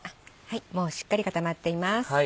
もうしっかり固まっています。